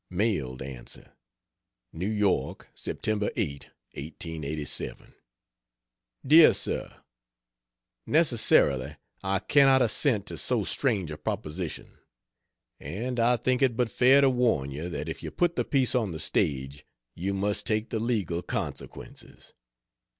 Mailed Answer: NEW YORK, Sept. 8. 1887. DEAR SIR, Necessarily I cannot assent to so strange a proposition. And I think it but fair to warn you that if you put the piece on the stage, you must take the legal consequences.